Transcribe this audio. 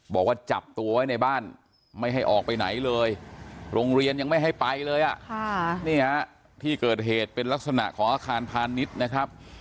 บอกว่าจับตัวไว้ในบ้านไม่ให้ออกไปไหนเลยโรงเรียนยังไม่ให้ไปเลยอ่ะนี่ฮะที่เกิดเหตุเป็นลักษณะของอาคารพาณิชย์นะครับ